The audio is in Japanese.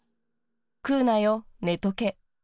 食うなよ、寝とけ。